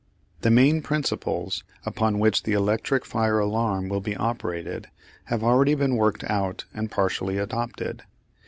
The main principles upon which the electric fire alarm will be operated have already been worked out and partially adopted.